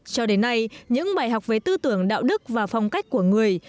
cho đến nay những bài học về tư tưởng đạo đức và phong cách của người